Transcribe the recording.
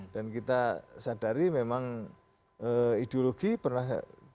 dan kita sadari memang ideologi pernah